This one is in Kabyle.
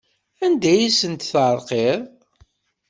Anda ay asent-terqiḍ?